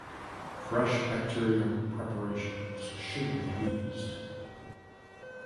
Fresh bacterial preparations should be used.